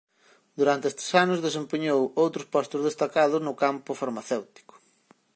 Durante estes anos desempeñou outros postos destacados no campo farmacéutico.